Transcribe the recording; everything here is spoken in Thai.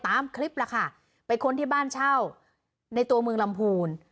ตามคลิปล่ะค่ะไปค้นที่บ้านเช่าในตัวเมืองลำพูน